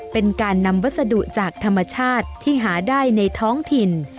เป็นการนำวัสดุจากธรรมชาติที่หาได้ในท้องถิ่น